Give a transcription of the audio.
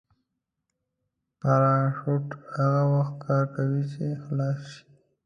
پراشوټ هغه وخت کار کوي چې خلاص شي.